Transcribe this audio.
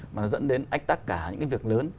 mà nó dẫn đến ách tắc cả những cái việc lớn